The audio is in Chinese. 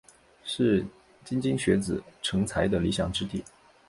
是莘莘学子成才的理想之地。